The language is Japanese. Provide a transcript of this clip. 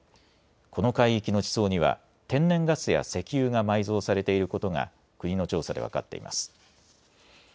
この海域の地層には天然ガスや石油が埋蔵されていることが国の調査で分かっています。